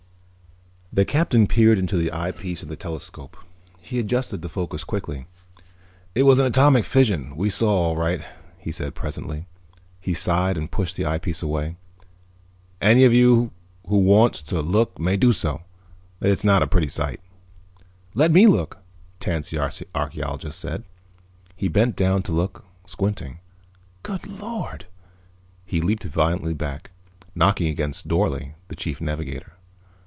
_ The Captain peered into the eyepiece of the telescope. He adjusted the focus quickly. "It was an atomic fission we saw, all right," he said presently. He sighed and pushed the eyepiece away. "Any of you who wants to look may do so. But it's not a pretty sight." "Let me look," Tance the archeologist said. He bent down to look, squinting. "Good Lord!" He leaped violently back, knocking against Dorle, the Chief Navigator.